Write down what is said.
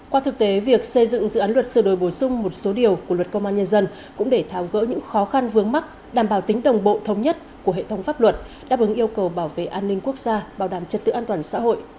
qua thực tế việc xây dựng dự án luật sửa đổi bổ sung một số điều của luật công an nhân dân cũng để tháo gỡ những khó khăn vướng mắt đảm bảo tính đồng bộ thống nhất của hệ thống pháp luật đáp ứng yêu cầu bảo vệ an ninh quốc gia bảo đảm trật tự an toàn xã hội